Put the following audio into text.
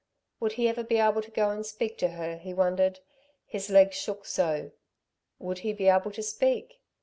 Would he ever be able to go and speak to her, he wondered, his legs shook so. Would he be able to speak?